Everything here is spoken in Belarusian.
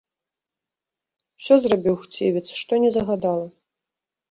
Усё зрабіў хцівец, што ні загадала.